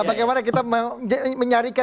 bagaimana kita mencari